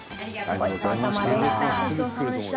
ごちそうさまでした。